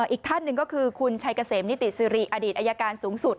อีกท่านหนึ่งก็คือคุณชัยเกษมนิติสิริอดีตอายการสูงสุด